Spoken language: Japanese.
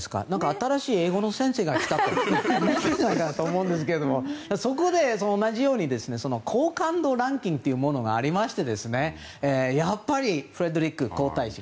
新しい英語の先生が来たのかなと思ったんじゃないかと思うんですがそこで同じように好感度ランキングというものがありましてやっぱりフレデリック皇太子